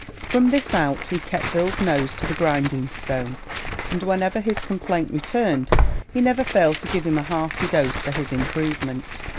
From this out he kept Bill's nose to the grinding stone; and whenever his complaint returned, he never failed to give him a hearty dose for his improvement.